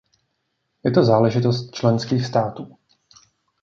Je to záležitost členských států.